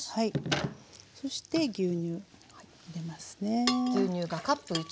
そして牛乳入れますね。